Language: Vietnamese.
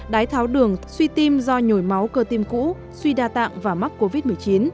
đái tháo đường suy tim do nhồi máu cơ tim cũ suy đa tạng và mắc covid một mươi chín